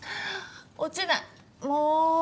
落ちないもう！